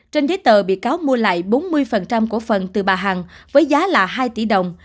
trên giấy tờ bị cáo mua lại bốn mươi của phần từ bà hằng với giá là hai tỷ đồng